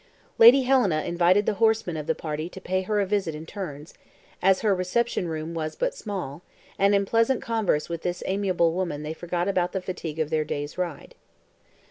Lady Helena invited the horsemen of the party to pay her a visit in turns, as her reception room was but small, and in pleasant converse with this amiable woman they forgot the fatigue of their day's ride.